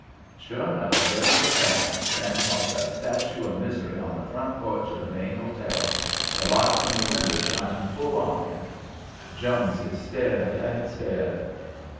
Sure enough, there was Van, standing like a statue of misery on the front porch of the main hotel, the light from the winder shining full on him. Jonesy stared and stared.